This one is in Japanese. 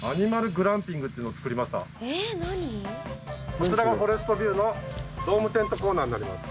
こちらがフォレストビューのドームテントコーナーになります。